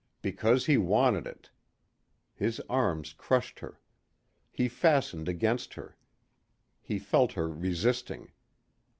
Because he wanted it. His arms crushed her. He fastened against her. He felt her resisting.